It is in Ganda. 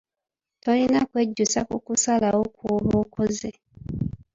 Tolina kwejjusa ku kusalawo kw'oba okoze.